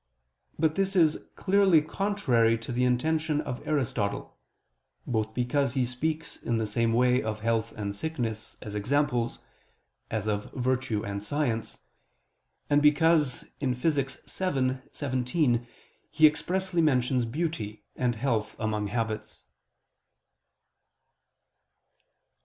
But this is clearly contrary to the intention of Aristotle: both because he speaks in the same way of health and sickness as examples, as of virtue and science; and because in Phys. vii, text. 17, he expressly mentions beauty and health among habits.